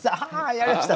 やりました！